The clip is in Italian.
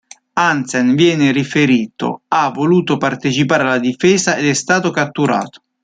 Hansen, viene riferito, ha voluto partecipare alla difesa, ed è stato catturato.